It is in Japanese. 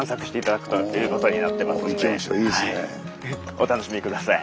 お楽しみ下さい。